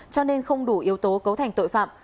cho nên không đủ yếu tố cấu thành tội phạm